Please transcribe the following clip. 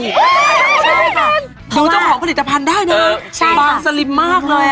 ดูเจ้าของผลิตภัณฑ์ได้เลยฟางสลิมมากเลย